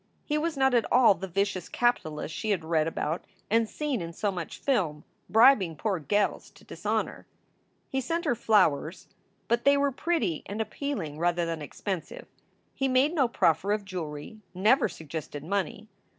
He was not at all the vicious capitalist she had read about and seen in so much film, bribing poor gels to dishonor. He sent her flowers, but they were pretty and appealing rather than expensive. He made no proffer of jewelry, never suggested money.